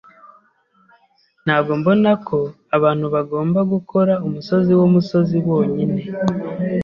Ntabwo mbona ko abantu bagomba gukora umusozi wumusozi wonyine.